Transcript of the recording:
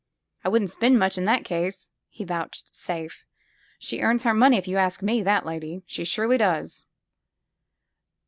'' I wouldn't spend much in that case," he vouch safed. She earns her money, if you ask me, that lady. She surely does